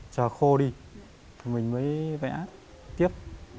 chờ khô đi mình mới vẽ tiếp